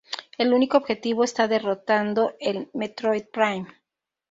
El único objetivo está derrotando el Metroid Prime.